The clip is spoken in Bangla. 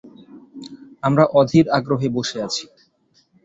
আমরা অধীর আগ্রহে বসে আছি।